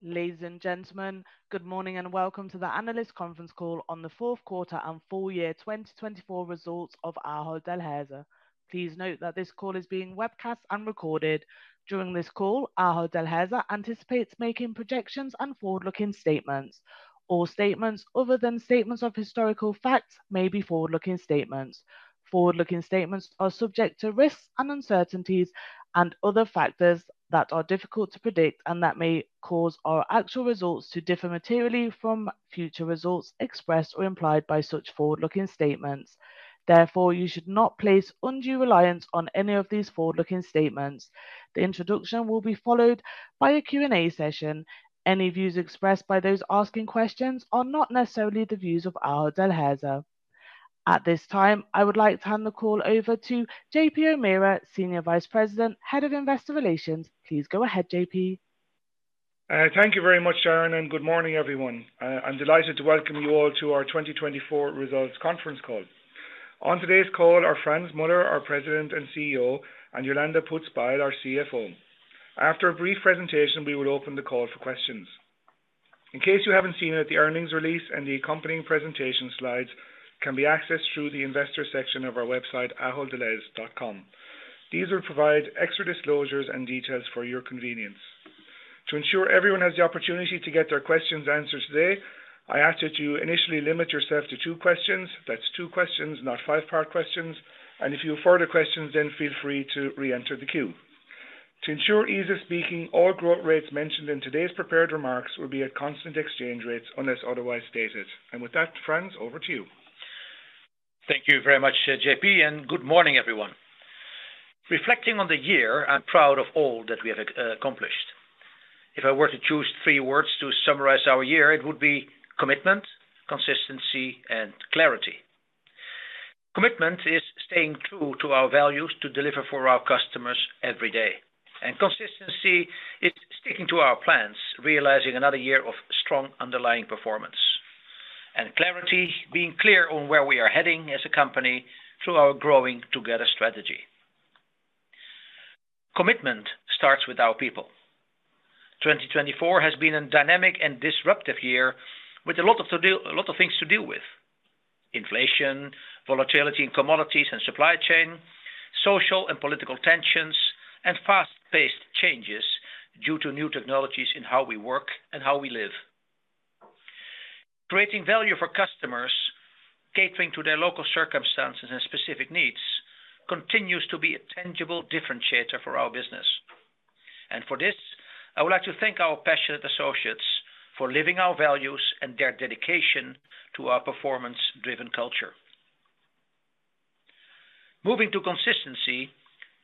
Ladies and gentlemen, good morning and welcome to the Analyst Conference call on the fourth quarter and full year 2024 results of Ahold Delhaize. Please note that this call is being webcast and recorded. During this call, Ahold Delhaize anticipates making projections and forward-looking statements. All statements other than statements of historical facts may be forward-looking statements. Forward-looking statements are subject to risks and uncertainties and other factors that are difficult to predict and that may cause our actual results to differ materially from future results expressed or implied by such forward-looking statements. Therefore, you should not place undue reliance on any of these forward-looking statements. The introduction will be followed by a Q&A session. Any views expressed by those asking questions are not necessarily the views of Ahold Delhaize. At this time, I would like to hand the call over to JP O'Meara, Senior Vice President, Head of Investor Relations. Please go ahead, JP. Thank you very much, Sharon, and good morning, everyone. I'm delighted to welcome you all to our 2024 results conference call. On today's call are Frans Muller, our President and CEO, and Jolanda Poots-Bijl, our CFO. After a brief presentation, we will open the call for questions. In case you haven't seen it, the earnings release and the accompanying presentation slides can be accessed through the investor section of our website, aholddelhaize.com. These will provide extra disclosures and details for your convenience. To ensure everyone has the opportunity to get their questions answered today, I ask that you initially limit yourself to two questions. That's two questions, not five-part questions. And if you have further questions, then feel free to re-enter the queue. To ensure ease of speaking, all growth rates mentioned in today's prepared remarks will be at constant exchange rates unless otherwise stated. And with that, Frans, over to you. Thank you very much, JP, and good morning, everyone. Reflecting on the year, I'm proud of all that we have accomplished. If I were to choose three words to summarize our year, it would be commitment, consistency, and clarity. Commitment is staying true to our values to deliver for our customers every day. And consistency is sticking to our plans, realizing another year of strong underlying performance. And clarity being clear on where we are heading as a company through our Growing Together strategy. Commitment starts with our people. 2024 has been a dynamic and disruptive year with a lot of things to deal with: inflation, volatility in commodities and supply chain, social and political tensions, and fast-paced changes due to new technologies in how we work and how we live. Creating value for customers, catering to their local circumstances and specific needs continues to be a tangible differentiator for our business, and for this, I would like to thank our passionate associates for living our values and their dedication to our performance-driven culture. Moving to consistency,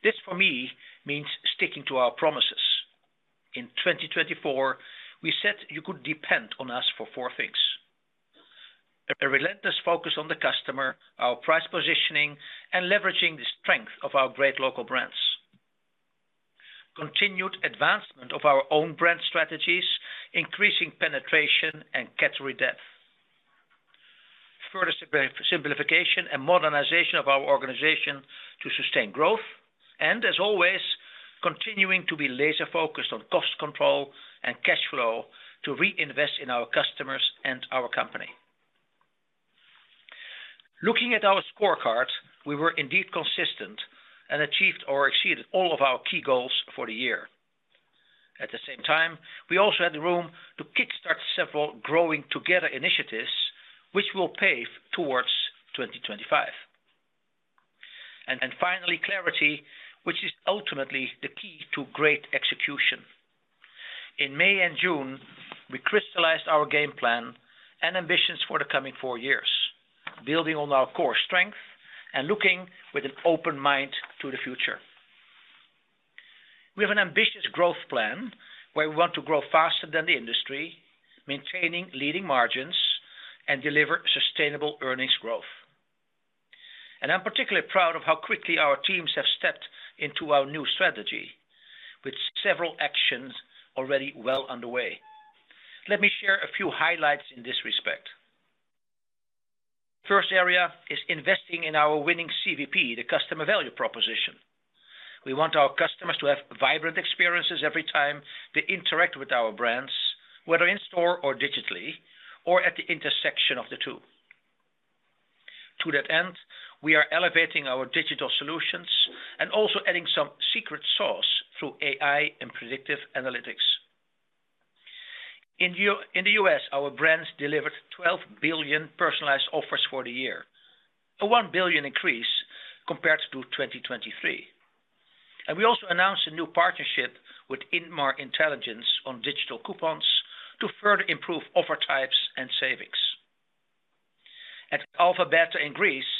this for me means sticking to our promises. In 2024, we said you could depend on us for four things: a relentless focus on the customer, our price positioning, and leveraging the strength of our great local brands. Continued advancement of our own brand strategies, increasing penetration and category depth. Further simplification and modernization of our organization to sustain growth. And, as always, continuing to be laser-focused on cost control and cash flow to reinvest in our customers and our company. Looking at our scorecard, we were indeed consistent and achieved or exceeded all of our key goals for the year. At the same time, we also had room to kickstart several Growing Together initiatives, which will pave towards 2025, and finally, clarity, which is ultimately the key to great execution. In May and June, we crystallized our game plan and ambitions for the coming four years, building on our core strength and looking with an open mind to the future. We have an ambitious growth plan where we want to grow faster than the industry, maintaining leading margins, and deliver sustainable earnings growth, and I'm particularly proud of how quickly our teams have stepped into our new strategy, with several actions already well underway. Let me share a few highlights in this respect. First area is investing in our winning CVP, the customer value proposition. We want our customers to have vibrant experiences every time they interact with our brands, whether in store or digitally or at the intersection of the two. To that end, we are elevating our digital solutions and also adding some secret sauce through AI and predictive analytics. In the U.S., our brands delivered 12 billion personalized offers for the year, a 1 billion increase compared to 2023, and we also announced a new partnership with Inmar Intelligence on digital coupons to further improve offer types and savings. At Alfa Beta in Greece,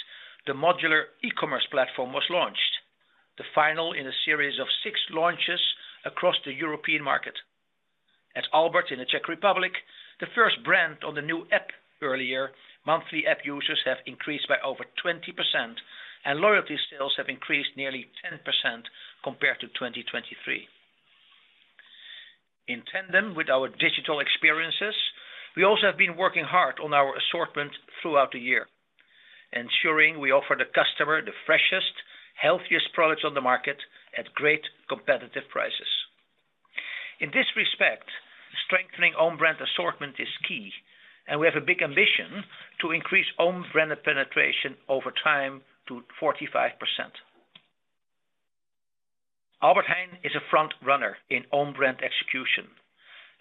the modular e-commerce platform was launched, the final in a series of six launches across the European market. At Albert in the Czech Republic, the first brand on the new app earlier, monthly app users have increased by over 20%, and loyalty sales have increased nearly 10% compared to 2023. In tandem with our digital experiences, we also have been working hard on our assortment throughout the year, ensuring we offer the customer the freshest, healthiest products on the market at great competitive prices. In this respect, strengthening own brand assortment is key, and we have a big ambition to increase own brand penetration over time to 45%. Albert Heijn is a front runner in own brand execution,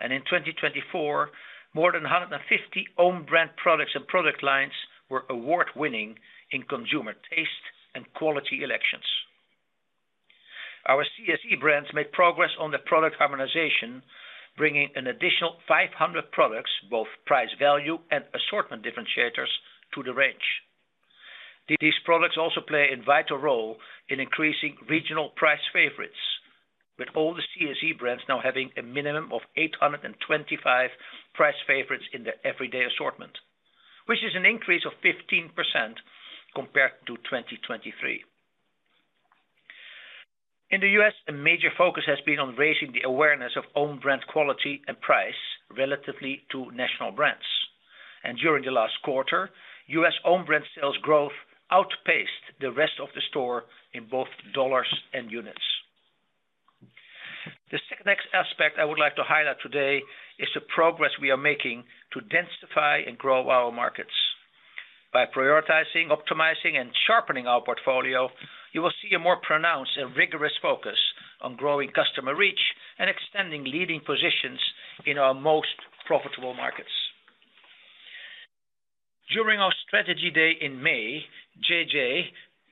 and in 2024, more than 150 own brand products and product lines were award-winning in consumer taste and quality elections. Our CSE brands made progress on the product harmonization, bringing an additional 500 products, both price value and assortment differentiators, to the range. These products also play a vital role in increasing regional price favorites, with all the CSE brands now having a minimum of 825 price favorites in the everyday assortment, which is an increase of 15% compared to 2023. In the U.S., a major focus has been on raising the awareness of own brand quality and price relatively to national brands. During the last quarter, U.S. own brand sales growth outpaced the rest of the store in both dollars and units. The second aspect I would like to highlight today is the progress we are making to densify and grow our markets. By prioritizing, optimizing, and sharpening our portfolio, you will see a more pronounced and rigorous focus on growing customer reach and extending leading positions in our most profitable markets. During our strategy day in May, JJ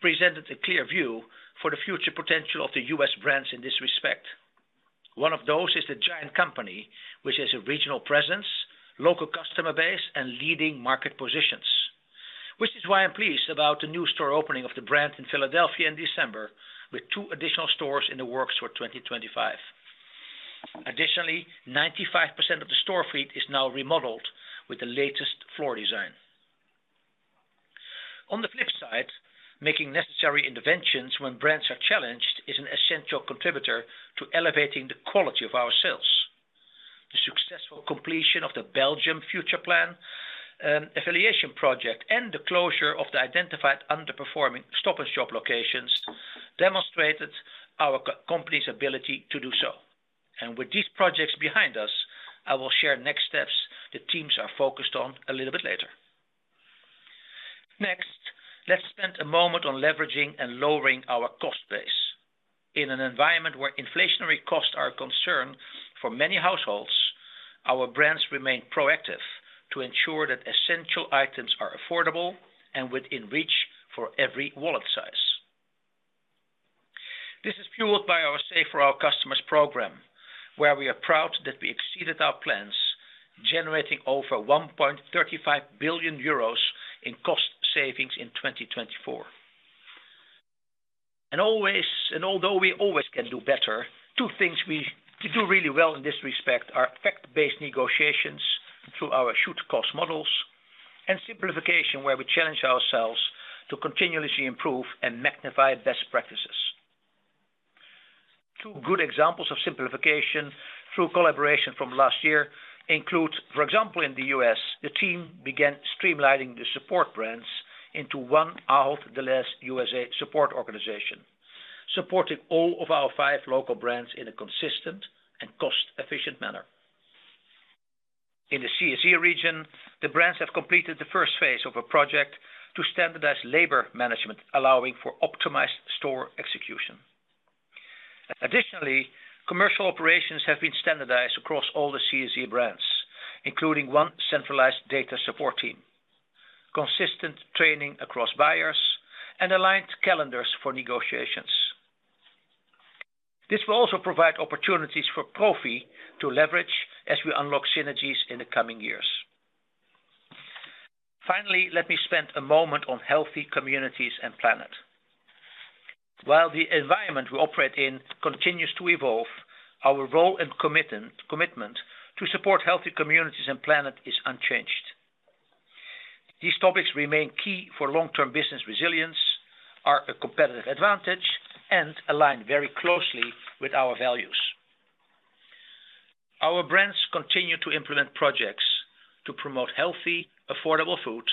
presented a clear view for the future potential of the U.S. brands in this respect. One of those is The Giant Company, which has a regional presence, local customer base, and leading market positions, which is why I'm pleased about the new store opening of the brand in Philadelphia in December, with two additional stores in the works for 2025. Additionally, 95% of the store fleet is now remodeled with the latest floor design. On the flip side, making necessary interventions when brands are challenged is an essential contributor to elevating the quality of our sales. The successful completion of the Belgium Future Plan affiliation project and the closure of the identified underperforming Stop & Shop locations demonstrated our company's ability to do so, and with these projects behind us, I will share next steps the teams are focused on a little bit later. Next, let's spend a moment on leveraging and lowering our cost base. In an environment where inflationary costs are a concern for many households, our brands remain proactive to ensure that essential items are affordable and within reach for every wallet size. This is fueled by our Save for Our Customers program, where we are proud that we exceeded our plans, generating over 1.35 billion euros in cost savings in 2024. And although we always can do better, two things we do really well in this respect are fact-based negotiations through our should cost models and simplification, where we challenge ourselves to continuously improve and magnify best practices. Two good examples of simplification through collaboration from last year include, for example, in the US, the team began streamlining the support brands into one Ahold Delhaize USA support organization, supporting all of our five local brands in a consistent and cost-efficient manner. In the CSE region, the brands have completed the first phase of a project to standardize labor management, allowing for optimized store execution. Additionally, commercial operations have been standardized across all the CSE brands, including one centralized data support team, consistent training across buyers, and aligned calendars for negotiations. This will also provide opportunities for Profi to leverage as we unlock synergies in the coming years. Finally, let me spend a moment on healthy communities and planet. While the environment we operate in continues to evolve, our role and commitment to support healthy communities and planet is unchanged. These topics remain key for long-term business resilience, are a competitive advantage, and align very closely with our values. Our brands continue to implement projects to promote healthy, affordable food,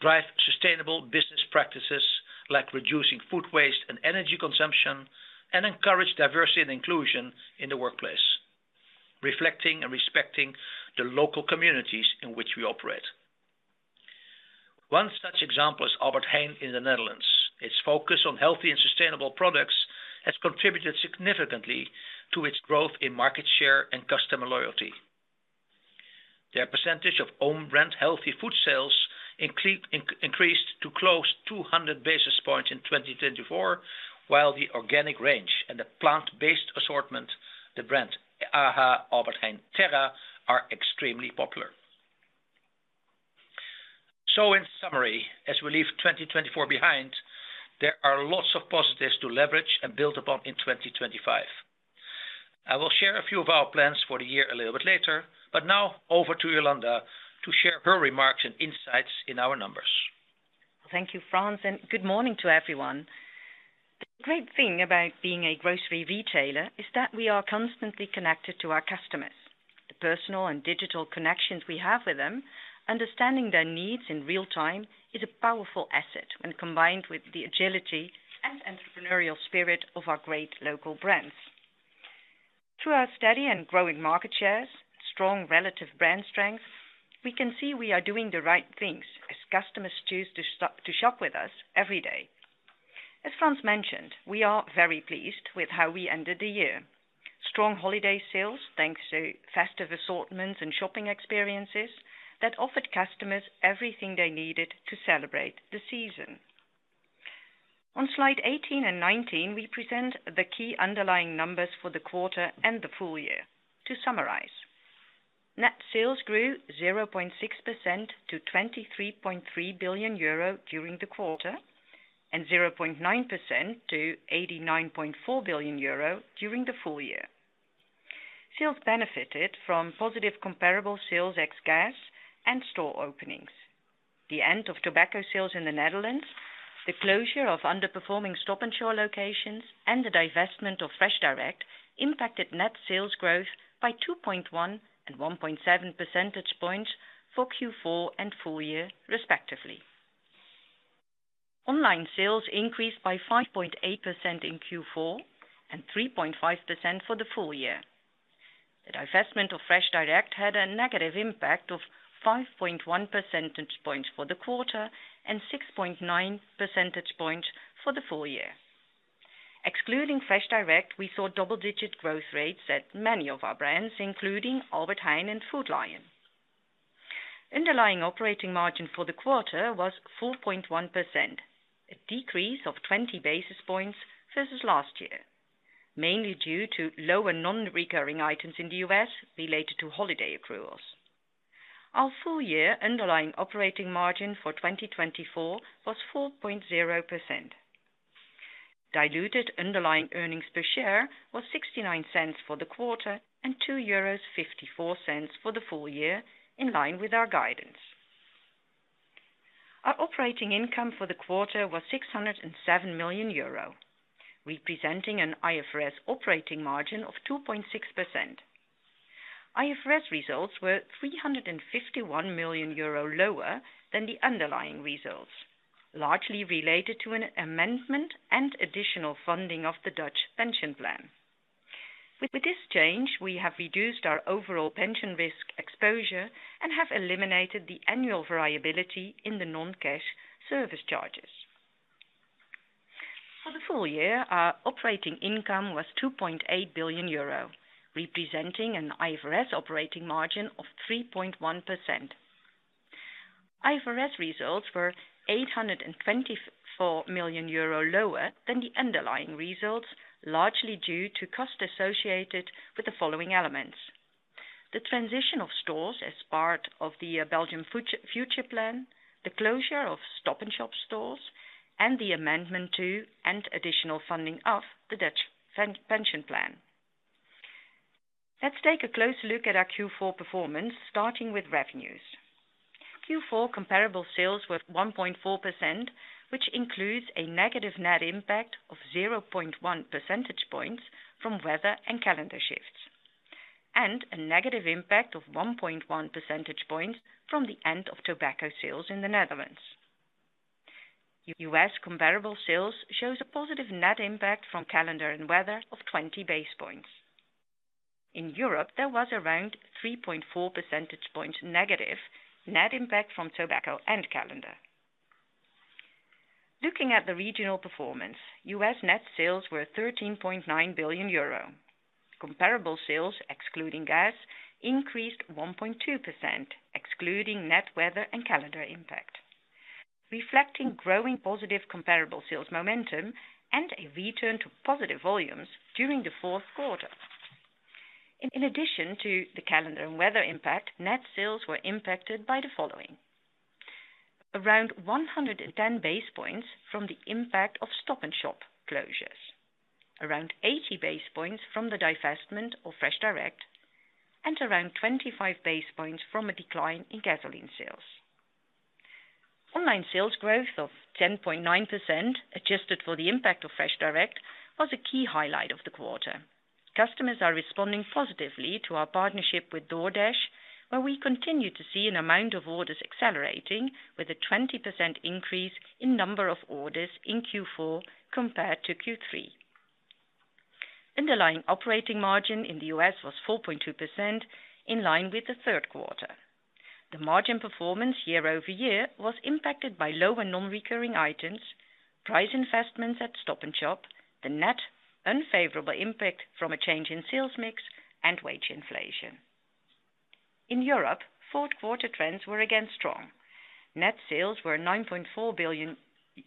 drive sustainable business practices like reducing food waste and energy consumption, and encourage diversity and inclusion in the workplace, reflecting and respecting the local communities in which we operate. One such example is Albert Heijn in the Netherlands. Its focus on healthy and sustainable products has contributed significantly to its growth in market share and customer loyalty. Their percentage of own brand healthy food sales increased to close to 200 basis points in 2024, while the organic range and the plant-based assortment, the brand AH Terra, are extremely popular. So, in summary, as we leave 2024 behind, there are lots of positives to leverage and build upon in 2025. I will share a few of our plans for the year a little bit later, but now over to Jolanda to share her remarks and insights in our numbers. Thank you, Frans, and good morning to everyone. The great thing about being a grocery retailer is that we are constantly connected to our customers. The personal and digital connections we have with them, understanding their needs in real time, is a powerful asset when combined with the agility and entrepreneurial spirit of our great local brands. Through our steady and growing market shares, strong relative brand strength, we can see we are doing the right things as customers choose to shop with us every day. As Frans mentioned, we are very pleased with how we ended the year. Strong holiday sales, thanks to festive assortments and shopping experiences that offered customers everything they needed to celebrate the season. On slide 18 and 19, we present the key underlying numbers for the quarter and the full year. To summarize, net sales grew 0.6% to 23.3 billion euro during the quarter and 0.9% to 89.4 billion euro during the full year. Sales benefited from positive comparable sales ex gas and store openings. The end of tobacco sales in the Netherlands, the closure of underperforming Stop & Shop locations, and the divestment of FreshDirect impacted net sales growth by 2.1 and 1.7 percentage points for Q4 and full year, respectively. Online sales increased by 5.8% in Q4 and 3.5% for the full year. The divestment of FreshDirect had a negative impact of 5.1 percentage points for the quarter and 6.9 percentage points for the full year. Excluding FreshDirect, we saw double-digit growth rates at many of our brands, including Albert Heijn and Food Lion. Underlying operating margin for the quarter was 4.1%, a decrease of 20 basis points versus last year, mainly due to lower non-recurring items in the U.S. related to holiday accruals. Our full year underlying operating margin for 2024 was 4.0%. Diluted underlying earnings per share was $0.69 for the quarter and 2.54 euros for the full year, in line with our guidance. Our operating income for the quarter was 607 million euro, representing an IFRS operating margin of 2.6%. IFRS results were 351 million euro lower than the underlying results, largely related to an amendment and additional funding of the Dutch pension plan. With this change, we have reduced our overall pension risk exposure and have eliminated the annual variability in the non-cash service charges. For the full year, our operating income was 2.8 billion euro, representing an IFRS operating margin of 3.1%. IFRS results were 824 million euro lower than the underlying results, largely due to costs associated with the following elements: the transition of stores as part of the Belgian Future Plan, the closure of Stop & Shop stores, and the amendment to and additional funding of the Dutch pension plan. Let's take a closer look at our Q4 performance, starting with revenues. Q4 comparable sales were 1.4%, which includes a negative net impact of 0.1 percentage points from weather and calendar shifts, and a negative impact of 1.1 percentage points from the end of tobacco sales in the Netherlands. U.S. comparable sales shows a positive net impact from calendar and weather of 20 basis points. In Europe, there was around 3.4 percentage points negative net impact from tobacco and calendar. Looking at the regional performance, U.S. net sales were 13.9 billion euro. Comparable sales, excluding gas, increased 1.2%, excluding net weather and calendar impact, reflecting growing positive comparable sales momentum and a return to positive volumes during the fourth quarter. In addition to the calendar and weather impact, net sales were impacted by the following: around 110 basis points from the impact of Stop & Shop closures, around 80 basis points from the divestment of FreshDirect, and around 25 basis points from a decline in gasoline sales. Online sales growth of 10.9%, adjusted for the impact of FreshDirect, was a key highlight of the quarter. Customers are responding positively to our partnership with DoorDash, where we continue to see an amount of orders accelerating, with a 20% increase in number of orders in Q4 compared to Q3. Underlying operating margin in the U.S. was 4.2%, in line with the third quarter. The margin performance year over year was impacted by lower non-recurring items, price investments at Stop & Shop, the net unfavorable impact from a change in sales mix, and wage inflation. In Europe, fourth quarter trends were again strong. Net sales were 9.4 billion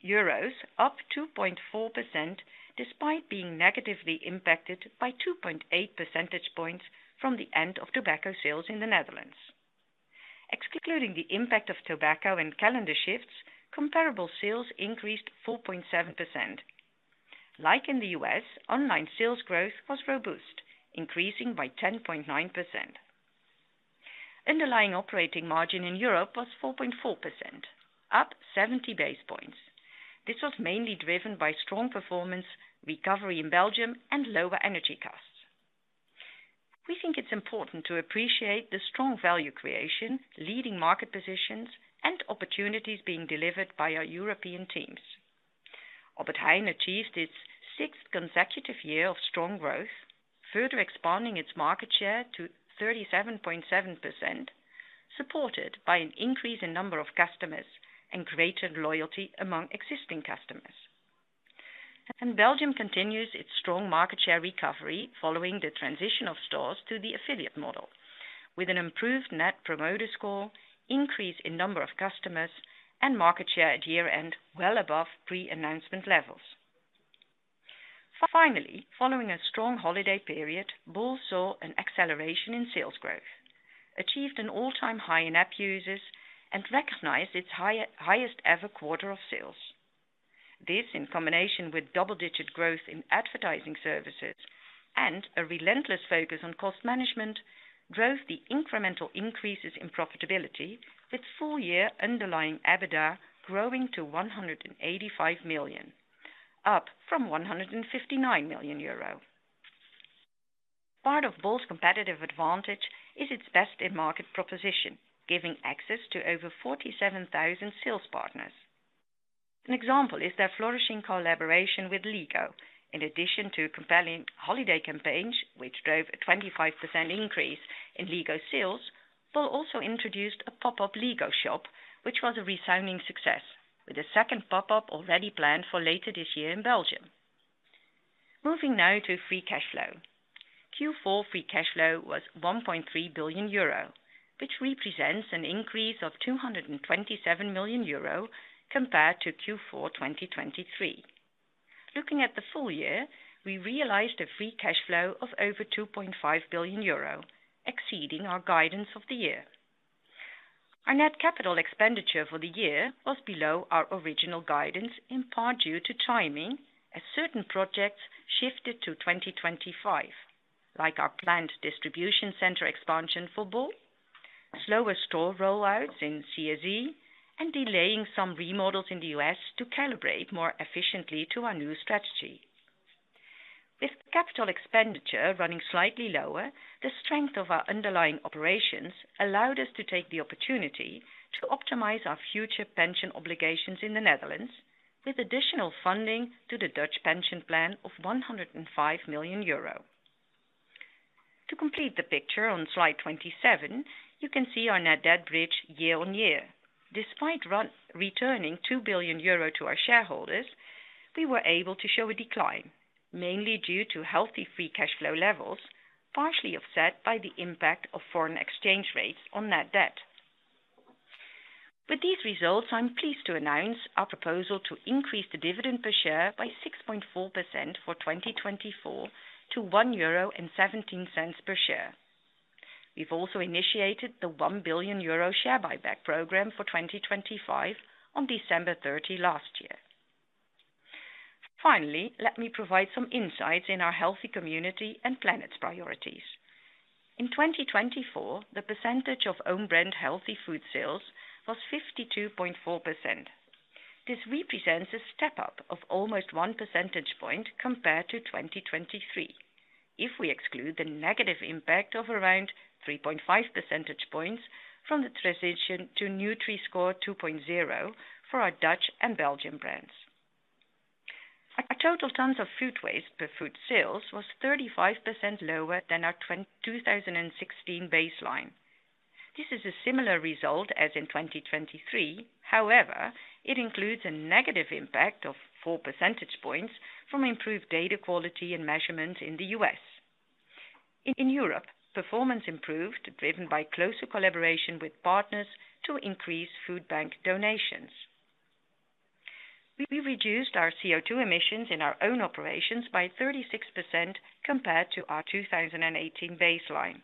euros, up 2.4%, despite being negatively impacted by 2.8 percentage points from the end of tobacco sales in the Netherlands. Excluding the impact of tobacco and calendar shifts, comparable sales increased 4.7%. Like in the U.S., online sales growth was robust, increasing by 10.9%. Underlying operating margin in Europe was 4.4%, up 70 basis points. This was mainly driven by strong performance, recovery in Belgium, and lower energy costs. We think it's important to appreciate the strong value creation, leading market positions, and opportunities being delivered by our European teams. Albert Heijn achieved its sixth consecutive year of strong growth, further expanding its market share to 37.7%, supported by an increase in number of customers and greater loyalty among existing customers. And Belgium continues its strong market share recovery following the transition of stores to the affiliate model, with an improved Net Promoter Score, increase in number of customers, and market share at year-end well above pre-announcement levels. Finally, following a strong holiday period, Bol saw an acceleration in sales growth, achieved an all-time high in app users, and recognized its highest ever quarter of sales. This, in combination with double-digit growth in advertising services and a relentless focus on cost management, drove the incremental increases in profitability, with full year underlying EBITDA growing to 185 million, up from 159 million euro. Part of Bol's competitive advantage is its best-in-market proposition, giving access to over 47,000 sales partners. An example is their flourishing collaboration with LEGO. In addition to compelling holiday campaigns, which drove a 25% increase in LEGO sales, Bol also introduced a pop-up LEGO shop, which was a resounding success, with a second pop-up already planned for later this year in Belgium. Moving now to free cash flow. Q4 free cash flow was 1.3 billion euro, which represents an increase of 227 million euro compared to Q4 2023. Looking at the full year, we realized a free cash flow of over 2.5 billion euro, exceeding our guidance of the year. Our net capital expenditure for the year was below our original guidance in part due to timing, as certain projects shifted to 2025, like our planned distribution center expansion for Bol, slower store rollouts in CEE, and delaying some remodels in the U.S. to calibrate more efficiently to our new strategy. With capital expenditure running slightly lower, the strength of our underlying operations allowed us to take the opportunity to optimize our future pension obligations in the Netherlands, with additional funding to the Dutch pension plan of 105 million euro. To complete the picture on slide 27, you can see our net debt bridge year on year. Despite returning 2 billion euro to our shareholders, we were able to show a decline, mainly due to healthy free cash flow levels, partially offset by the impact of foreign exchange rates on net debt. With these results, I'm pleased to announce our proposal to increase the dividend per share by 6.4% for 2024 to 1.17 euro per share. We've also initiated the 1 billion euro share buyback program for 2025 on December 30 last year. Finally, let me provide some insights in our healthy community and planet's priorities. In 2024, the percentage of own brand healthy food sales was 52.4%. This represents a step up of almost one percentage point compared to 2023, if we exclude the negative impact of around 3.5 percentage points from the transition to Nutri-Score 2.0 for our Dutch and Belgian brands. Our total tons of food waste per food sales was 35% lower than our 2016 baseline. This is a similar result as in 2023. However, it includes a negative impact of 4 percentage points from improved data quality and measurements in the U.S. In Europe, performance improved, driven by closer collaboration with partners to increase food bank donations. We reduced our CO2 emissions in our own operations by 36% compared to our 2018 baseline,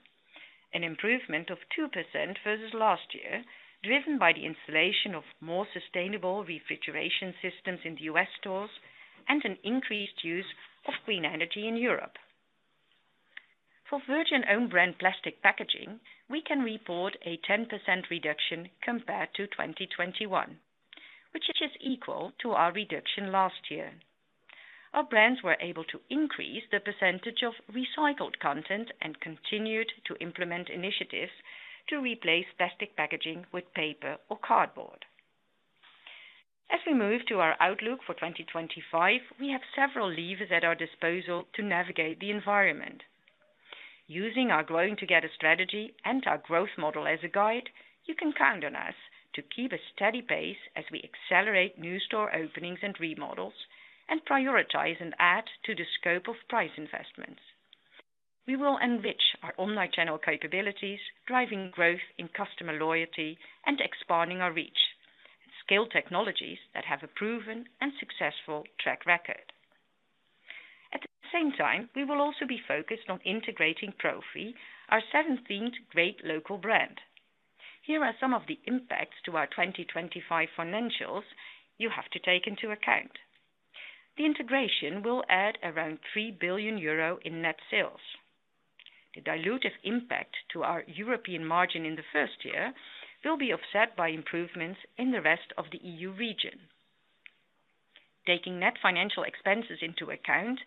an improvement of 2% versus last year, driven by the installation of more sustainable refrigeration systems in the U.S. stores and an increased use of green energy in Europe. For virgin own brand plastic packaging, we can report a 10% reduction compared to 2021, which is equal to our reduction last year. Our brands were able to increase the percentage of recycled content and continued to implement initiatives to replace plastic packaging with paper or cardboard. As we move to our outlook for 2025, we have several levers at our disposal to navigate the environment. Using our Growing Together strategy and our growth model as a guide, you can count on us to keep a steady pace as we accelerate new store openings and remodels and prioritize and add to the scope of price investments. We will enrich our omnichannel capabilities, driving growth in customer loyalty and expanding our reach, and scale technologies that have a proven and successful track record. At the same time, we will also be focused on integrating Profi, our seventh great local brand. Here are some of the impacts to our 2025 financials you have to take into account. The integration will add around 3 billion euro in net sales. The dilutive impact to our European margin in the first year will be offset by improvements in the rest of the EU region. Taking net financial expenses into account,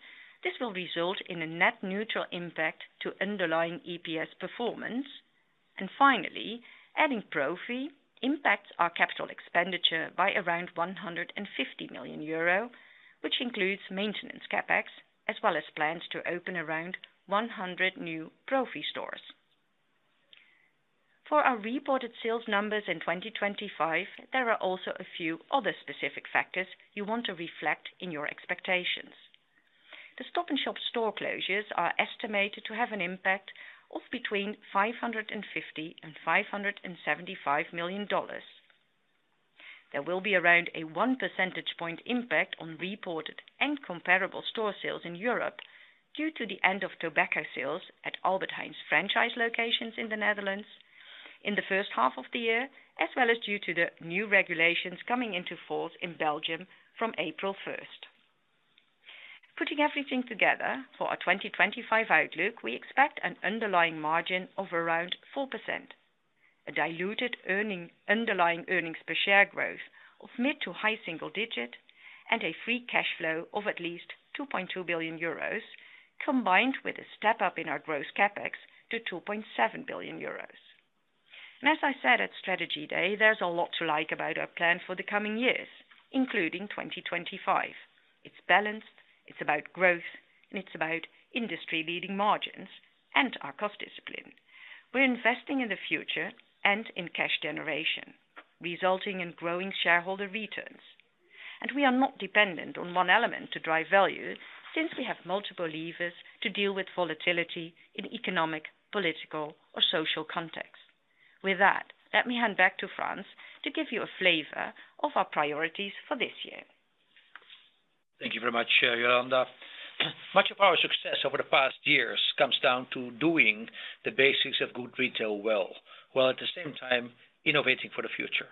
this will result in a net neutral impact to underlying EPS performance. And finally, adding Profi impacts our capital expenditure by around 150 million euro, which includes maintenance CapEx as well as plans to open around 100 new Profi stores. For our reported sales numbers in 2025, there are also a few other specific factors you want to reflect in your expectations. The Stop & Shop store closures are estimated to have an impact of between $550 million and $575 million. There will be around a 1 percentage point impact on reported and comparable store sales in Europe due to the end of tobacco sales at Albert Heijn's franchise locations in the Netherlands in the first half of the year, as well as due to the new regulations coming into force in Belgium from April 1st. Putting everything together for our 2025 outlook, we expect an underlying margin of around 4%, a diluted underlying earnings per share growth of mid- to high-single-digit, and a free cash flow of at least 2.2 billion euros, combined with a step up in our gross CapEx to 2.7 billion euros. As I said at Strategy Day, there's a lot to like about our plan for the coming years, including 2025. It's balanced, it's about growth, and it's about industry-leading margins and our cost discipline. We're investing in the future and in cash generation, resulting in growing shareholder returns. We are not dependent on one element to drive value since we have multiple levers to deal with volatility in economic, political, or social contexts. With that, let me hand back to Frans to give you a flavor of our priorities for this year. Thank you very much, Jolanda. Much of our success over the past years comes down to doing the basics of good retail well, while at the same time innovating for the future.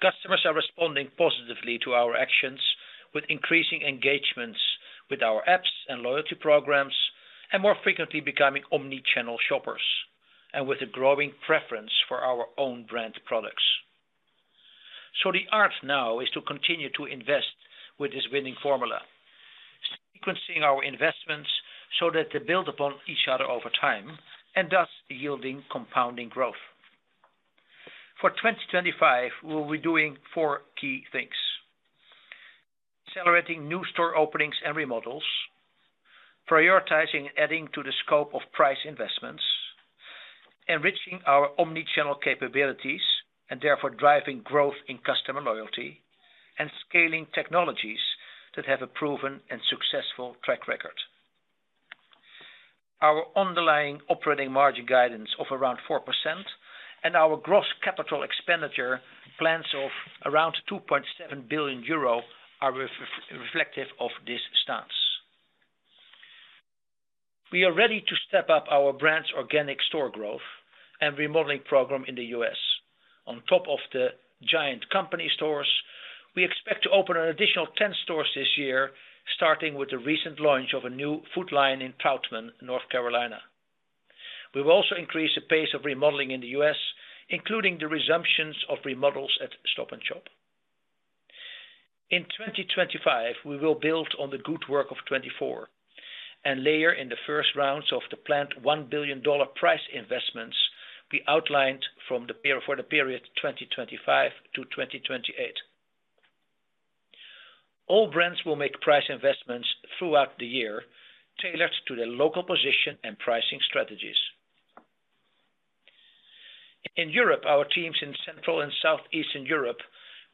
Customers are responding positively to our actions, with increasing engagements with our apps and loyalty programs, and more frequently becoming omnichannel shoppers, and with a growing preference for our own brand products, so the art now is to continue to invest with this winning formula, sequencing our investments so that they build upon each other over time and thus yielding compounding growth. For 2025, we'll be doing four key things: accelerating new store openings and remodels, prioritizing and adding to the scope of price investments, enriching our omnichannel capabilities and therefore driving growth in customer loyalty, and scaling technologies that have a proven and successful track record. Our underlying operating margin guidance of around 4% and our gross capital expenditure plans of around 2.7 billion euro are reflective of this stance. We are ready to step up our brand's organic store growth and remodeling program in the U.S. On top of The Giant Company stores, we expect to open an additional 10 stores this year, starting with the recent launch of a new Food Lion in Troutman, North Carolina. We will also increase the pace of remodeling in the U.S., including the resumptions of remodels at Stop & Shop. In 2025, we will build on the good work of 2024 and layer in the first rounds of the planned $1 billion price investments we outlined for the period 2025 to 2028. All brands will make price investments throughout the year, tailored to their local position and pricing strategies. In Europe, our teams in Central and Southeastern Europe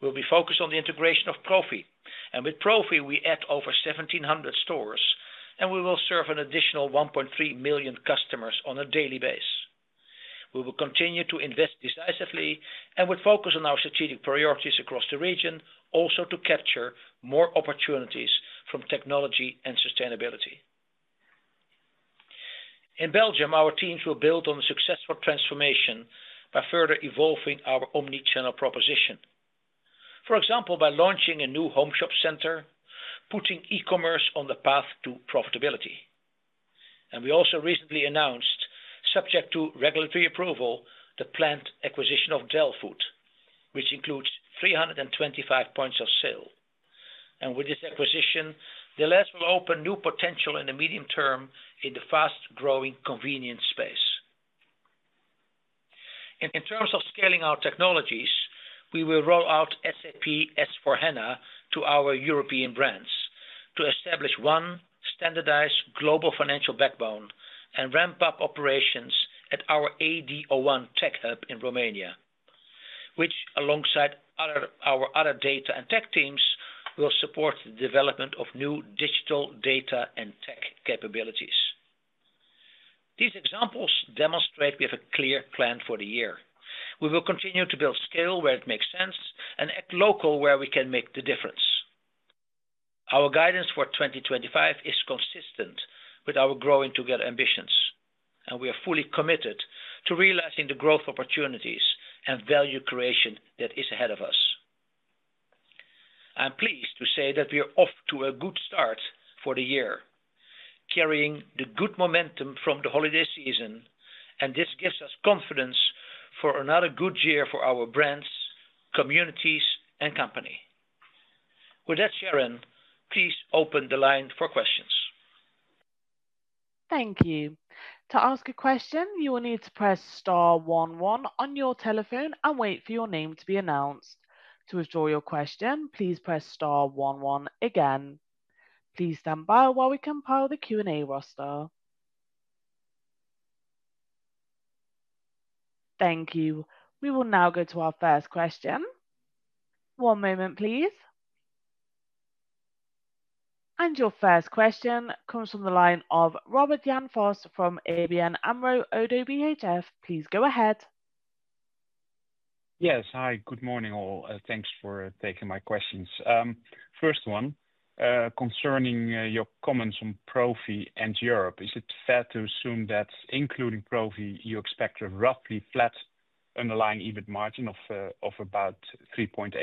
will be focused on the integration of Profi. And with Profi, we add over 1,700 stores, and we will serve an additional 1.3 million customers on a daily basis. We will continue to invest decisively and will focus on our strategic priorities across the region, also to capture more opportunities from technology and sustainability. In Belgium, our teams will build on a successful transformation by further evolving our omnichannel proposition, for example, by launching a new home shopping center, putting e-commerce on the path to profitability. And we also recently announced, subject to regulatory approval, the planned acquisition of Delfood, which includes 325 points of sale. And with this acquisition, Delhaize will open new potential in the medium term in the fast-growing convenience space. In terms of scaling our technologies, we will roll out SAP S/4HANA to our European brands to establish one standardized global financial backbone and ramp up operations at our AD01 tech hub in Romania, which, alongside our other data and tech teams, will support the development of new digital data and tech capabilities. These examples demonstrate we have a clear plan for the year. We will continue to build scale where it makes sense and act local where we can make the difference. Our guidance for 2025 is consistent with our growing together ambitions, and we are fully committed to realizing the growth opportunities and value creation that is ahead of us. I'm pleased to say that we are off to a good start for the year, carrying the good momentum from the holiday season, and this gives us confidence for another good year for our brands, communities, and company. With that, Sharon, please open the line for questions. Thank you. To ask a question, you will need to press star 11 on your telephone and wait for your name to be announced. To withdraw your question, please press star 11 again. Please stand by while we compile the Q&A roster. Thank you. We will now go to our first question. One moment, please. And your first question comes from the line of Robert Jan Vos from ABN AMRO ODDO BHF. Please go ahead. Yes. Hi. Good morning, all. Thanks for taking my questions. First one, concerning your comments on Profi and Europe, is it fair to assume that, including Profi, you expect a roughly flat underlying EBIT margin of about 3.8%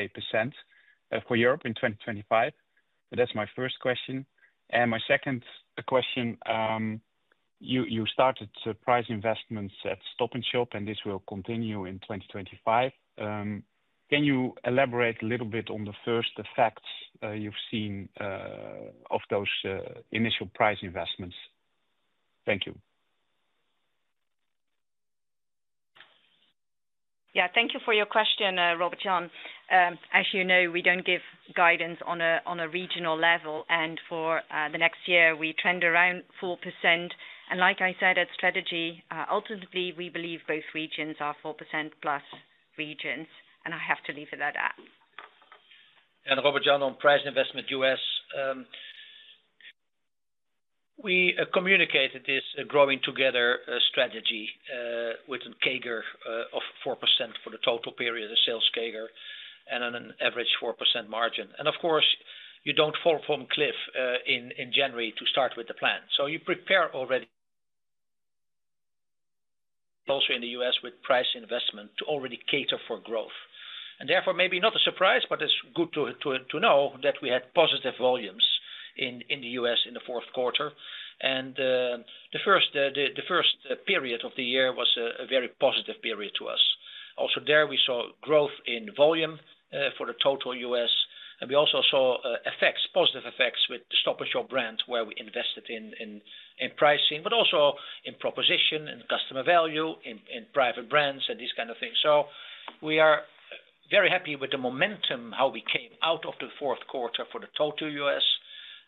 for Europe in 2025? That's my first question. And my second question, you started price investments at Stop & Shop, and this will continue in 2025. Can you elaborate a little bit on the first effects you've seen of those initial price investments? Thank you. Yeah. Thank you for your question, Robert Jan. As you know, we don't give guidance on a regional level, and for the next year, we trend around 4%. Like I said at Strategy, ultimately, we believe both regions are 4% plus regions, and I have to leave it at that. Robert Jan, on price investment U.S., we communicated this Growing Together strategy with a CAGR of 4% for the total period, a sales CAGR, and an average 4% margin. Of course, you don't fall from a cliff in January to start with the plan. You prepare already, also in the U.S., with price investment to already cater for growth. And therefore, maybe not a surprise, but it's good to know that we had positive volumes in the U.S. in the fourth quarter. And the first period of the year was a very positive period to us. Also there, we saw growth in volume for the total US, and we also saw effects, positive effects with the Stop & Shop brand where we invested in pricing, but also in proposition and customer value in private brands and these kinds of things. So we are very happy with the momentum how we came out of the fourth quarter for the total US.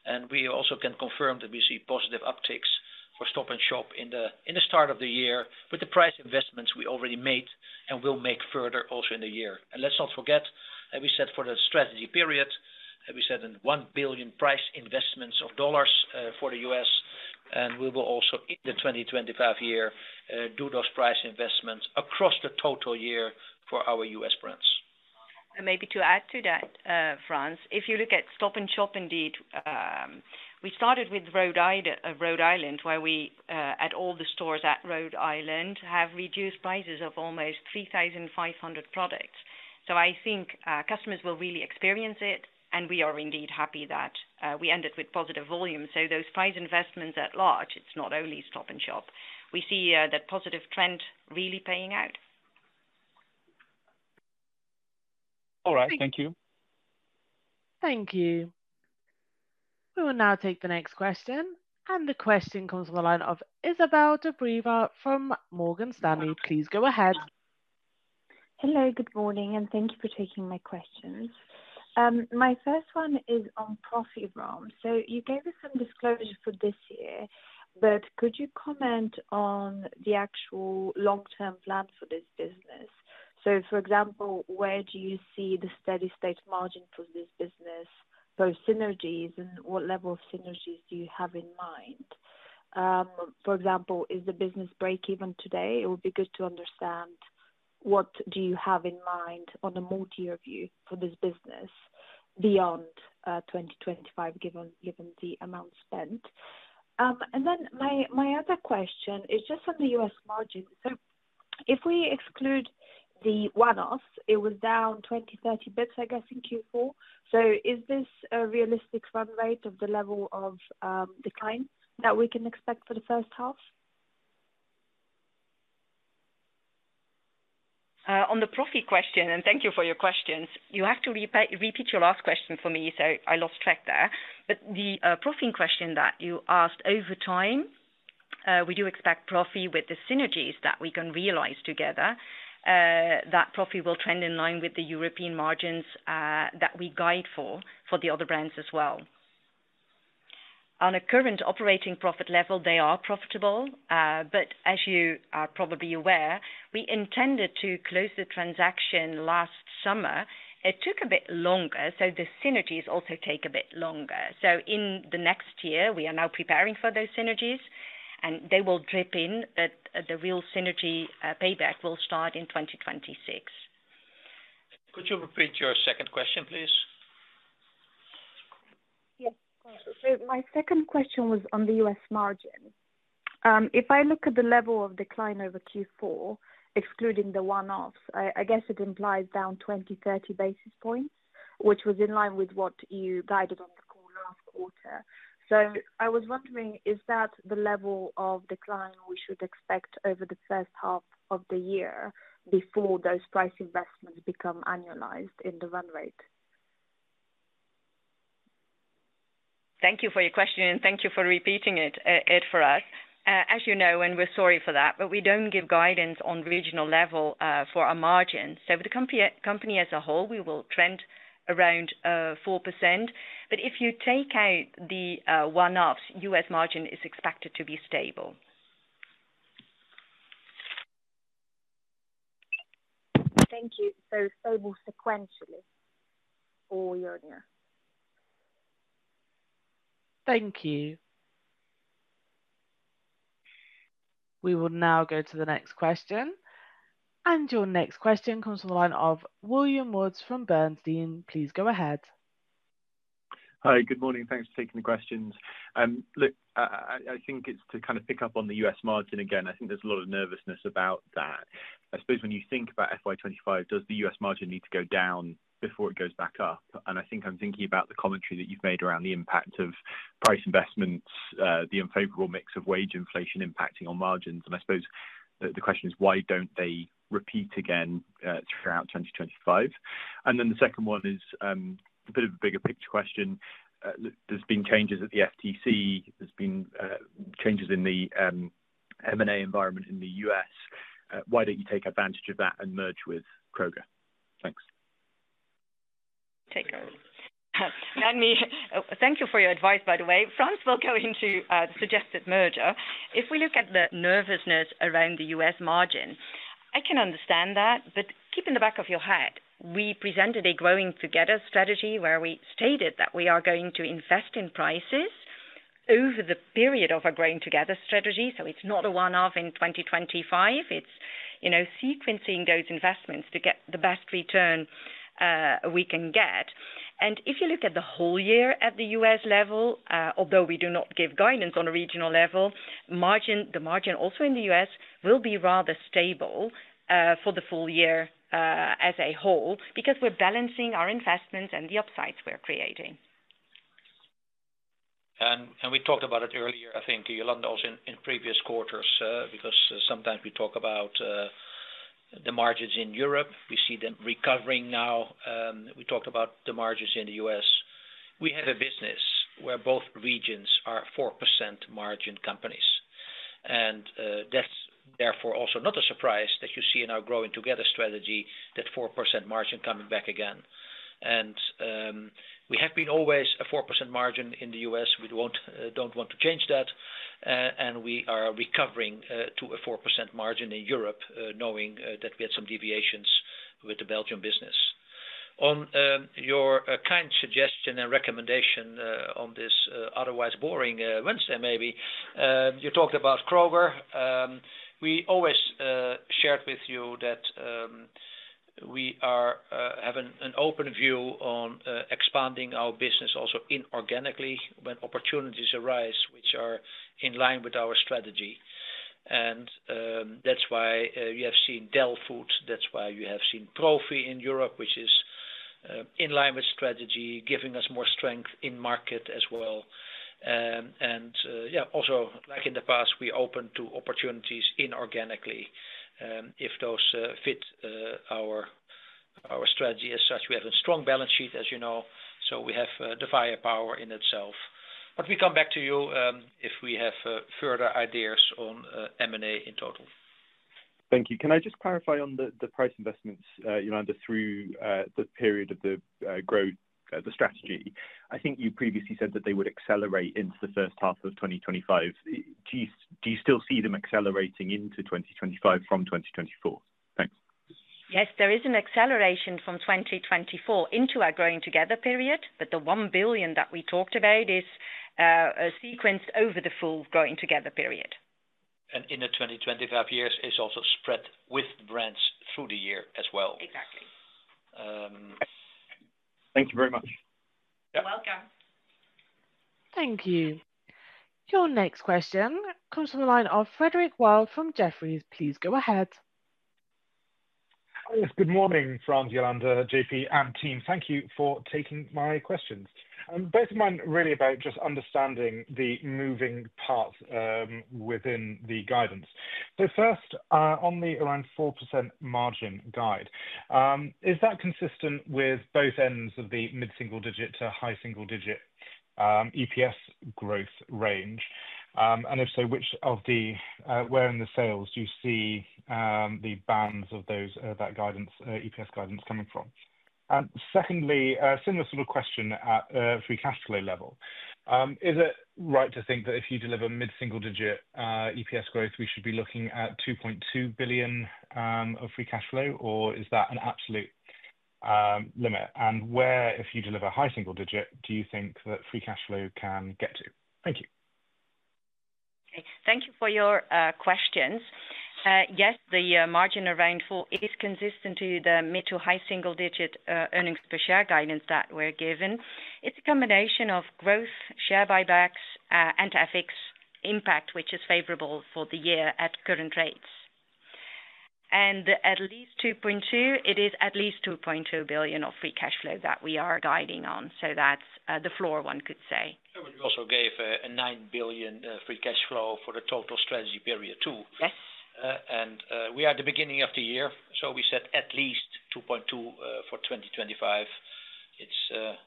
And we also can confirm that we see positive upticks for Stop & Shop in the start of the year with the price investments we already made and will make further also in the year. Let's not forget, as we said for the strategy period, as we said, in $1 billion price investments of dollars for the U.S., and we will also, in the 2025 year, do those price investments across the total year for our U.S. brands. Maybe to add to that, Frans, if you look at Stop & Shop indeed, we started with Rhode Island where we, at all the stores at Rhode Island, have reduced prices of almost 3,500 products. I think customers will really experience it, and we are indeed happy that we ended with positive volume. Those price investments at large, it's not only Stop & Shop. We see that positive trend really paying out. All right. Thank you. Thank you. We will now take the next question. The question comes from the line of Izabel Dobreva from Morgan Stanley. Please go ahead. Hello. Good morning, and thank you for taking my questions. My first one is on Profi, Frans. So you gave us some disclosure for this year, but could you comment on the actual long-term plan for this business? So, for example, where do you see the steady state margin for this business post-synergies and what level of synergies do you have in mind? For example, is the business break-even today? It would be good to understand what do you have in mind on a multi-year view for this business beyond 2025, given the amount spent. And then my other question is just on the U.S. margin. So if we exclude the one-offs, it was down 20-30 basis points, I guess, in Q4. So is this a realistic run rate of the level of decline that we can expect for the first half? On the Profi question, and thank you for your questions, you have to repeat your last question for me, so I lost track there. But the Profi question that you asked over time, we do expect Profi with the synergies that we can realize together, that Profi will trend in line with the European margins that we guide for, for the other brands as well. On a current operating profit level, they are profitable. But as you are probably aware, we intended to close the transaction last summer. It took a bit longer, so the synergies also take a bit longer. So in the next year, we are now preparing for those synergies, and they will drip in, but the real synergy payback will start in 2026. Could you repeat your second question, please? Yes. So my second question was on the U.S. margin. If I look at the level of decline over Q4, excluding the one-offs, I guess it implies down 20-30 basis points, which was in line with what you guided on the call last quarter. So I was wondering, is that the level of decline we should expect over the first half of the year before those price investments become annualized in the run rate? Thank you for your question, and thank you for repeating it for us. As you know, and we're sorry for that, but we don't give guidance on regional level for our margin. So with the company as a whole, we will trend around 4%. But if you take out the one-offs, U.S. margin is expected to be stable. Thank you. So stable sequentially all year on year. Thank you. We will now go to the next question. And your next question comes from the line of William Woods from Bernstein. Please go ahead. Hi. Good morning. Thanks for taking the questions. Look, I think it's to kind of pick up on the U.S. margin again. I think there's a lot of nervousness about that. I suppose when you think about FY 2025, does the U.S. margin need to go down before it goes back up? And I think I'm thinking about the commentary that you've made around the impact of price investments, the unfavorable mix of wage inflation impacting on margins. And I suppose the question is, why don't they repeat again throughout 2025? And then the second one is a bit of a bigger picture question. There's been changes at the FTC. There's been changes in the M&A environment in the US. Why don't you take advantage of that and merge with Kroger? Thanks. Thank you for your advice, by the way. Frans will go into the suggested merger. If we look at the nervousness around the U.S. margin, I can understand that, but keep in the back of your head, we presented a Growing Together strategy where we stated that we are going to invest in prices over the period of our Growing Together strategy, so it's not a one-off in 2025. It's sequencing those investments to get the best return we can get, and if you look at the whole year at the U.S. level, although we do not give guidance on a regional level, the margin also in the U.S. will be rather stable for the full year as a whole because we're balancing our investments and the upsides we're creating. And we talked about it earlier, I think, Jolanda, also in previous quarters, because sometimes we talk about the margins in Europe. We see them recovering now. We talked about the margins in the US. We have a business where both regions are 4% margin companies. And that's therefore also not a surprise that you see in our Growing Together strategy, that 4% margin coming back again. And we have been always a 4% margin in the US. We don't want to change that. And we are recovering to a 4% margin in Europe, knowing that we had some deviations with the Belgian business. On your kind suggestion and recommendation on this otherwise boring Wednesday, maybe, you talked about Kroger. We always shared with you that we have an open view on expanding our business also inorganically when opportunities arise, which are in line with our strategy. That's why you have seen Delfood. That's why you have seen Profi in Europe, which is in line with strategy, giving us more strength in market as well. And yeah, like in the past, we're open to opportunities inorganically if those fit our strategy as such. We have a strong balance sheet, as you know, so we have the firepower in itself. But we come back to you if we have further ideas on M&A in total. Thank you. Can I just clarify on the price investments, Jolanda, through the period of the Growing Together strategy? I think you previously said that they would accelerate into the first half of 2025. Do you still see them accelerating into 2025 from 2024? Thanks. Yes, there is an acceleration from 2024 into our Growing Together period, but the $1 billion that we talked about is sequenced over the full Growing Together period. And in the 2025 years, it's also spread with the brands through the year as well. Exactly. Thank you very much. You're welcome. Thank you. Your next question comes from the line of Frederick Wild from Jefferies. Please go ahead. Yes. Good morning, Frans, Jolanda, JP, and team. Thank you for taking my questions. Both of mine really about just understanding the moving parts within the guidance. So first, on the around 4% margin guide, is that consistent with both ends of the mid-single digit to high single digit EPS growth range? And if so, which of the where in the sales do you see the bands of that guidance, EPS guidance coming from? And secondly, similar sort of question at free cash flow level. Is it right to think that if you deliver mid-single digit EPS growth, we should be looking at 2.2 billion of free cash flow, or is that an absolute limit? And where, if you deliver high single digit, do you think that free cash flow can get to? Thank you. Thank you for your questions. Yes, the margin around 4 is consistent to the mid to high single digit earnings per share guidance that we're given. It's a combination of growth, share buybacks, and FX impact, which is favorable for the year at current rates. And at least 2.2, it is at least 2.2 billion of free cash flow that we are guiding on. So that's the floor one could say. And we also gave a 9 billion free cash flow for the total strategy period too. We are at the beginning of the year, so we said at least 2.2 for 2025. It's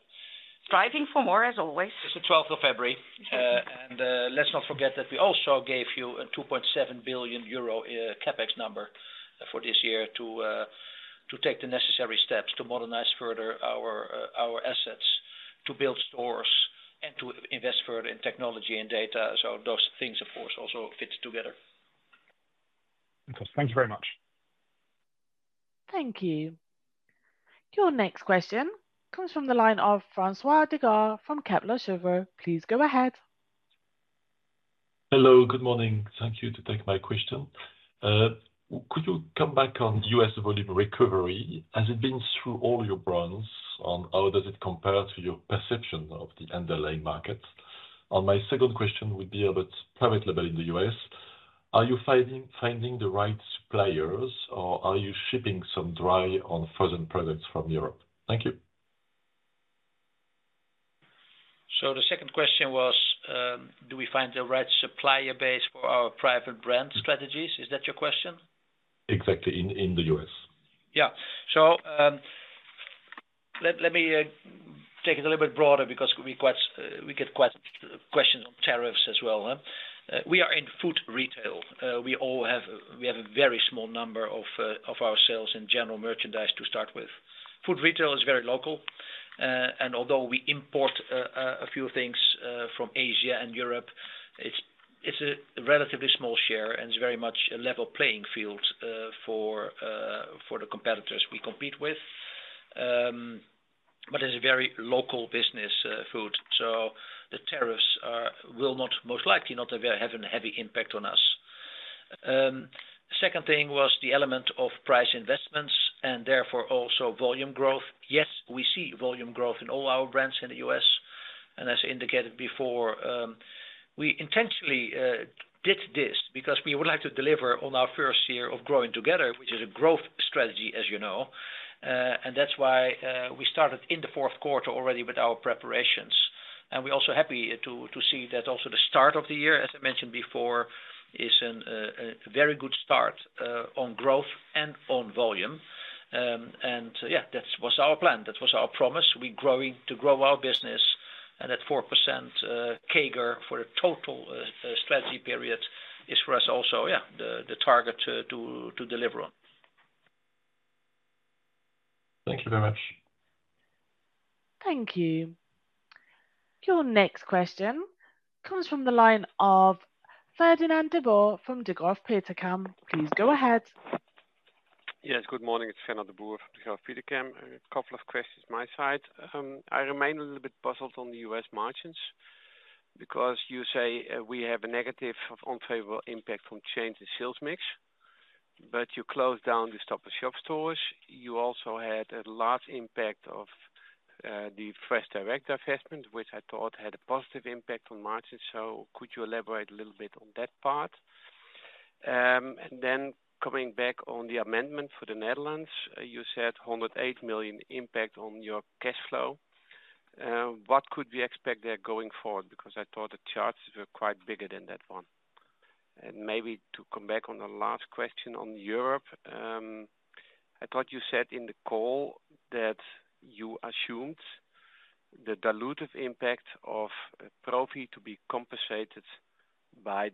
driving for more, as always. It's the 12th of February. And let's not forget that we also gave you a 2.7 billion euro CapEx number for this year to take the necessary steps to modernize further our assets, to build stores, and to invest further in technology and data. So those things, of course, also fit together. Thank you very much. Thank you. Your next question comes from the line of François Digard from Kepler Chevreux. Please go ahead. Hello. Good morning. Thank you to take my question. Could you come back on U.S. volume recovery? Has it been through all your brands? And how does it compare to your perception of the underlying markets? And my second question would be about private label in the U.S. Are you finding the right suppliers, or are you shipping some dry or frozen products from Europe? Thank you. So the second question was, do we find the right supplier base for our private brand strategies? Is that your question? Exactly. In the U.S.? Yeah. So let me take it a little bit broader because we get quite a few questions on tariffs as well. We are in food retail. We have a very small number of our sales in general merchandise to start with. Food retail is very local. And although we import a few things from Asia and Europe, it's a relatively small share, and it's very much a level playing field for the competitors we compete with. But it's a very local business, food. So the tariffs will most likely not have a heavy impact on us. The second thing was the element of price investments and therefore also volume growth. Yes, we see volume growth in all our brands in the U.S. And as indicated before, we intentionally did this because we would like to deliver on our first year of Growing Together, which is a growth strategy, as you know. And that's why we started in the fourth quarter already with our preparations. And we're also happy to see that also the start of the year, as I mentioned before, is a very good start on growth and on volume. And yeah, that was our plan. That was our promise. We're growing to grow our business. And that 4% CAGR for the total strategy period is for us also, yeah, the target to deliver on. Thank you very much. Thank you. Your next question comes from the line of Fernand de Boer from Degroof Petercam. Please go ahead. Yes. Good morning. It's Fernand de Boer from Degroof Petercam. A couple of questions on my side. I remain a little bit puzzled on the U.S. margins because you say we have a negative unfavorable impact from change in sales mix. But you closed down the Stop & Shop stores. You also had a large impact of the FreshDirect divestment, which I thought had a positive impact on margins. So could you elaborate a little bit on that part? And then coming back on the amendment for the Netherlands, you said 108 million impact on your cash flow. What could we expect there going forward? Because I thought the charges were quite bigger than that one. And maybe to come back on the last question on Europe. I thought you said in the call that you assumed the dilutive impact of Profi to be compensated by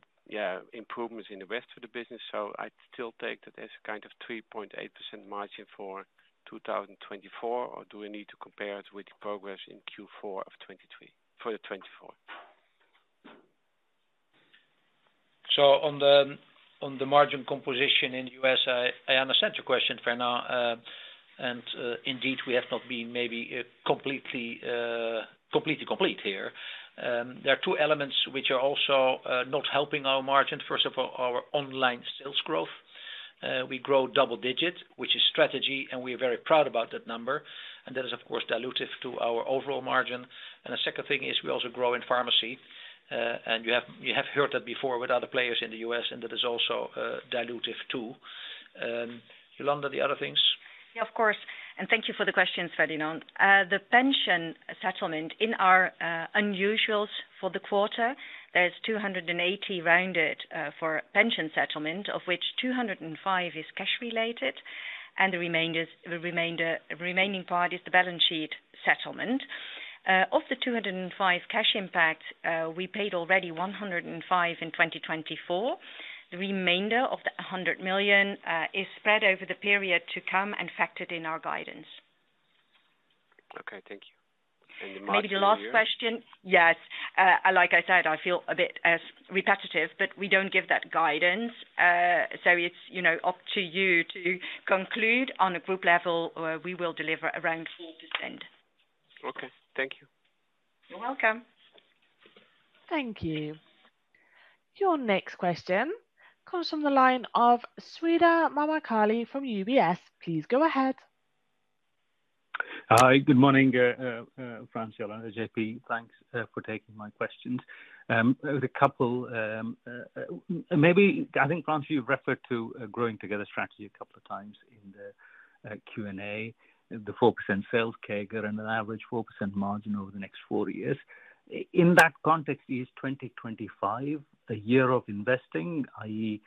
improvements in the rest of the business. So I still take that as kind of 3.8% margin for 2024, or do we need to compare it with the progress in Q4 of 2023 for the 2024? So on the margin composition in the U.S., I understand your question, Fernand. And indeed, we have not been maybe completely complete here. There are two elements which are also not helping our margin. First of all, our online sales growth. We grow double digit, which is strategy, and we are very proud about that number. And that is, of course, dilutive to our overall margin. And the second thing is we also grow in pharmacy. You have heard that before with other players in the US, and that is also dilutive too. Jolanda, the other things? Yeah, of course. And thank you for the questions, Fernand. The pension settlement in our unusuals for the quarter, there's 280 million rounded for pension settlement, of which 205 million is cash-related. And the remaining part is the balance sheet settlement. Of the 205 million cash impact, we paid already 105 million in 2024. The remainder of the 100 million is spread over the period to come and factored in our guidance. Okay. Thank you. And the margin? Maybe the last question. Yes. Like I said, I feel a bit repetitive, but we don't give that guidance. So it's up to you to conclude. On a group level, we will deliver around 4%. Okay. Thank you. You're welcome. Thank you. Your next question comes from the line of Sreedhar Mahamkali from UBS. Please go ahead. Hi. Good morning, Frans, Jolanda, JP. Thanks for taking my questions. There was a couple maybe I think, Frans, you've referred to a Growing Together strategy a couple of times in the Q&A. The 4% sales CAGR and an average 4% margin over the next four years. In that context, is 2025 a year of investing, i.e.,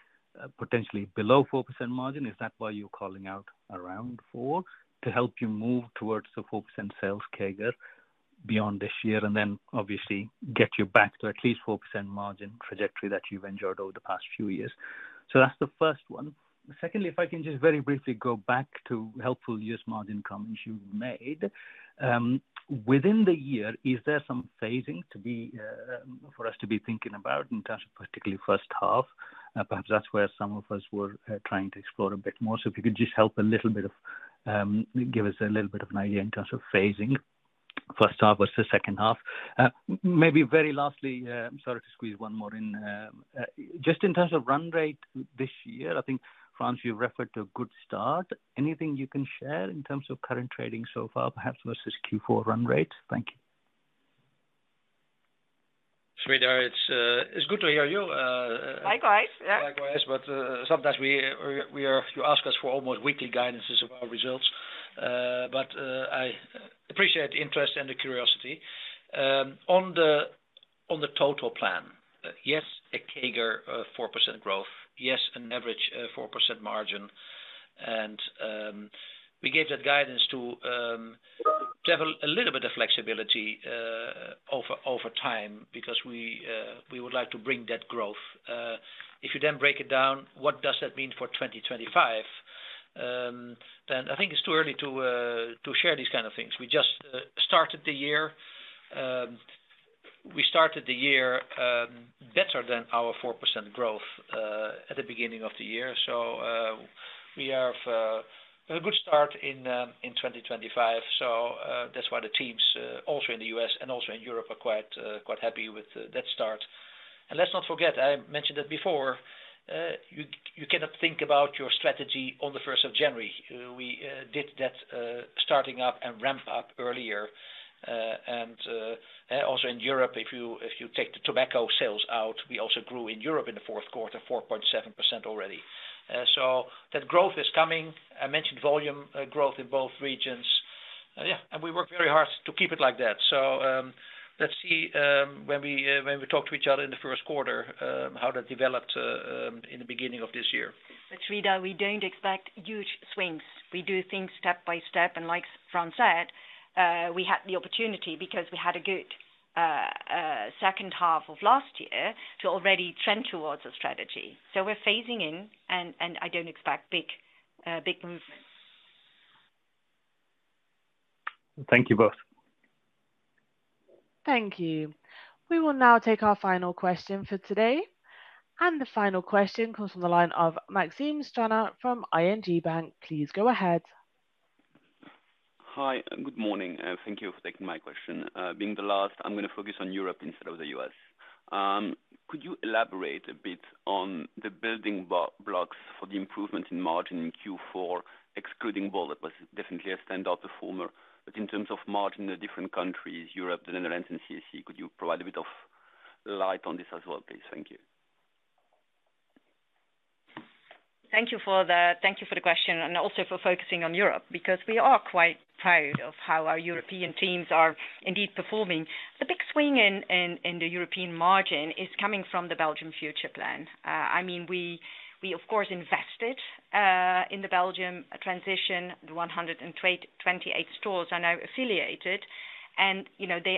potentially below 4% margin? Is that why you're calling out around 4% to help you move towards the 4% sales CAGR beyond this year and then obviously get you back to at least 4% margin trajectory that you've enjoyed over the past few years? So that's the first one. Secondly, if I can just very briefly go back to helpful U.S. margin comments you've made. Within the year, is there some phasing for us to be thinking about in terms of particularly first half? Perhaps that's where some of us were trying to explore a bit more. So if you could just help a little bit, give us a little bit of an idea in terms of phasing first half versus second half. Maybe very lastly, sorry to squeeze one more in. Just in terms of run rate this year, I think, Frans, you've referred to a good start. Anything you can share in terms of current trading so far, perhaps versus Q4 run rate? Thank you. Sreedhar, it's good to hear you. Likewise. Yeah. Likewise. But sometimes you ask us for almost weekly guidances of our results. But I appreciate the interest and the curiosity. On the total plan, yes, a CAGR of 4% growth. Yes, an average 4% margin. And we gave that guidance to develop a little bit of flexibility over time because we would like to bring that growth. If you then break it down, what does that mean for 2025? Then I think it's too early to share these kind of things. We just started the year. We started the year better than our 4% growth at the beginning of the year. So we have a good start in 2025. So that's why the teams also in the U.S. and also in Europe are quite happy with that start. And let's not forget, I mentioned that before, you cannot think about your strategy on the 1st of January. We did that starting up and ramp up earlier. And also in Europe, if you take the tobacco sales out, we also grew in Europe in the fourth quarter, 4.7% already. So that growth is coming. I mentioned volume growth in both regions. Yeah. And we work very hard to keep it like that. So let's see when we talk to each other in the first quarter how that developed in the beginning of this year. But Sreedhar, we don't expect huge swings. We do things step by step. And like Frans said, we had the opportunity because we had a good second half of last year to already trend towards a strategy. So we're phasing in, and I don't expect big movements. Thank you both. Thank you. We will now take our final question for today. And the final question comes from the line of Maxime Stranart from ING Bank. Please go ahead. Hi. Good morning. Thank you for taking my question. Being the last, I'm going to focus on Europe instead of the U.S. Could you elaborate a bit on the building blocks for the improvements in margin in Q4, excluding Bol, who was definitely a standout performer? But in terms of margin in the different countries, Europe, the Netherlands, and CSE, could you provide a bit of light on this as well, please? Thank you. Thank you for the question and also for focusing on Europe because we are quite proud of how our European teams are indeed performing. The big swing in the European margin is coming from the Belgium future plan. I mean, we, of course, invested in the Belgium transition, the 128 stores are now affiliated. And they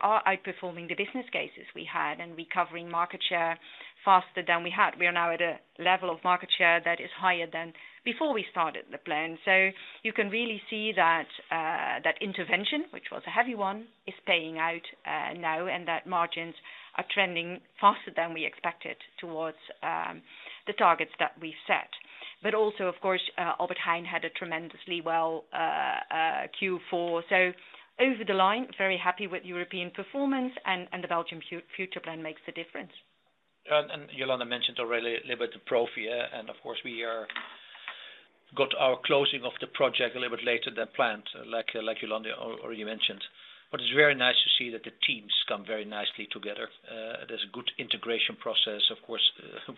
are outperforming the business cases we had and recovering market share faster than we had. We are now at a level of market share that is higher than before we started the plan. So you can really see that intervention, which was a heavy one, is paying out now, and that margins are trending faster than we expected towards the targets that we've set. But also, of course, Albert Heijn had a tremendously well Q4. So over the line, very happy with European performance, and the Belgium future plan makes the difference. And Jolanda mentioned already a little bit of Profi. And of course, we got our closing of the project a little bit later than planned, like Jolanda already mentioned. But it's very nice to see that the teams come very nicely together. There's a good integration process. Of course,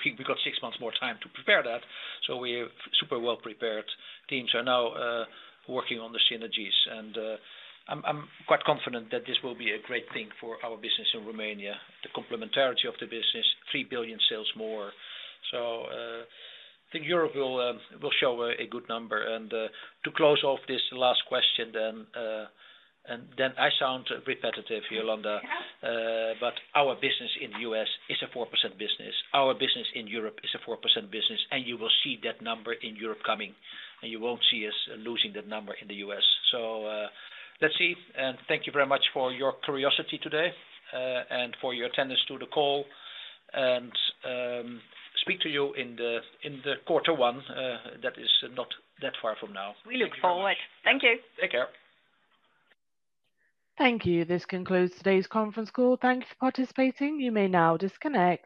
we got six months more time to prepare that. So we're super well prepared. Teams are now working on the synergies. And I'm quite confident that this will be a great thing for our business in Romania, the complementarity of the business, 3 billion sales more. So I think Europe will show a good number. To close off this last question then, and then I sound repetitive, Jolanda, but our business in the U.S. is a 4% business. Our business in Europe is a 4% business. And you will see that number in Europe coming. And you won't see us losing that number in the US. So let's see. And thank you very much for your curiosity today and for your attendance to the call. And speak to you in the quarter one. That is not that far from now. We look forward. Thank you. Take care. Thank you. This concludes today's conference call. Thank you for participating. You may now disconnect.